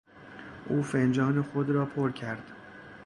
او فنجان خود را پر کرد.